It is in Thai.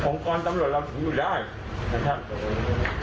กรตำรวจเราถึงอยู่ได้นะครับ